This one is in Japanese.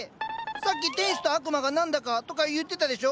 さっき「天使」と「悪魔」が何だかとか言ってたでしょ？